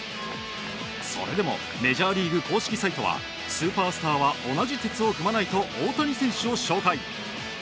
それでもメジャーリーグ公式サイトはスーパースターは同じ轍を踏まないと大谷選手を紹介。